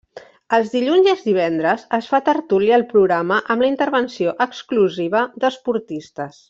Els dilluns i els divendres es fa tertúlia al programa amb la intervenció exclusiva d'esportistes.